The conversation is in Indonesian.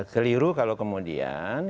keliru kalau kemudian